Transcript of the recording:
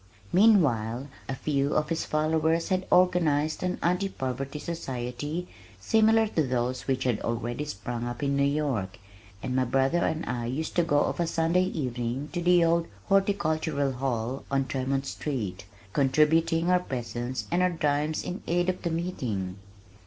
Meanwhile a few of his followers had organized an "Anti Poverty Society" similar to those which had already sprung up in New York, and my brother and I used to go of a Sunday evening to the old Horticultural Hall on Tremont Street, contributing our presence and our dimes in aid of the meeting.